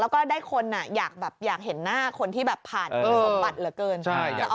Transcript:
แล้วก็ได้คนอยากเห็นหน้าคนที่ผ่านลวงสมบัติเหลือเกินจะออกมาเป็นอย่างไง